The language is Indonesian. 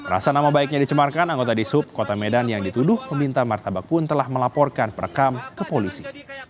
rasa nama baiknya dicemarkan anggota di sub kota medan yang dituduh meminta martabak pun telah melaporkan perekam ke polisi